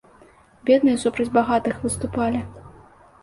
Бедныя супроць багатых выступалі.